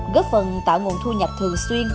góp phần tạo nguồn thu nhập thường xuyên